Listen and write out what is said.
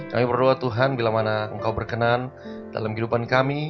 kami berdoa tuhan bila mana engkau berkenan dalam kehidupan kami